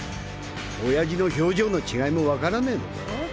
親父の表情の違いもわからねぇのか？